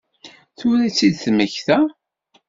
Tura i tt-id-temmekta?